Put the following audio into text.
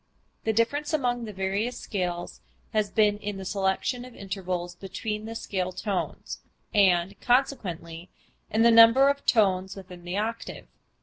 The difference among the various scales has been in the selection of intervals between the scale tones, and, consequently, in the number of tones within the octave.